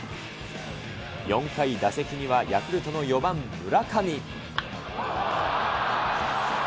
４回、打席にはヤクルトの４番村上。